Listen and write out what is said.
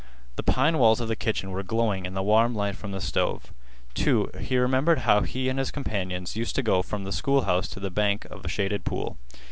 The pine walls of the kitchen were glowing in the warm light from the stove. Too, he remembered how he and his companions used to go from the school house to the bank of a shaded pool.